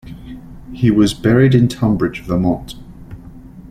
He was buried in Tunbridge, Vermont.